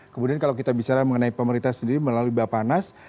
kemudian kalau kita bicara mengenai pemerintah sendiri melalui bapak nas